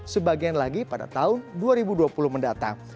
sebagian lagi pada tahun dua ribu dua puluh mendatang